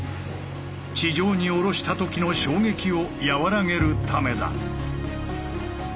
地上に下ろした時の衝撃をやわらげるためだ。